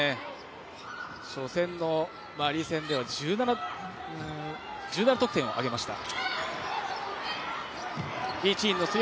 初戦では１７得点を挙げました。